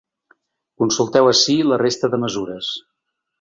Consulteu ací la resta de mesures.